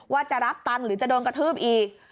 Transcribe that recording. ว่าจะรับตังค์หรือจะโดนกระทืบอีก